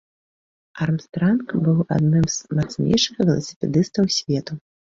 Армстранг быў адным з мацнейшых веласіпедыстаў свету.